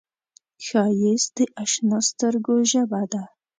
ښایست د اشنا سترګو ژبه ده